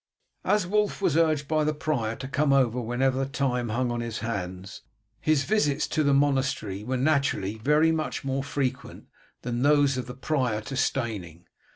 As Wulf was urged by the prior to come over whenever time hung on his hands, his visits to the monastery were naturally very much more frequent than those of the prior to Steyning.